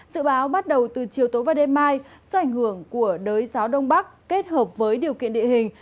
dự báo bắt đầu từ chiều tối và đêm mai do ảnh hưởng của đới gió đông bắc kết hợp với điều kiện địa hình